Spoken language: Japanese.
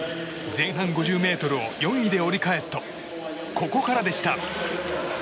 前半５０ｍを４位で折り返すとここからでした。